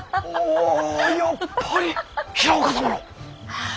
おやっぱり平岡様の！